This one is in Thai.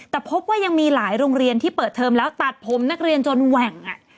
แต่พบว่ายังมีหลายโรงเรียนที่เปิดเทอมแล้วตัดผมนักเรียนจนแหว่ง